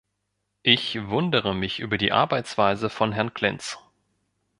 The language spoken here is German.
Ich wundere mich über die Arbeitsweise von Herrn Klinz.